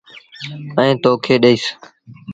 ائيٚݩ تو کي ڏئيس۔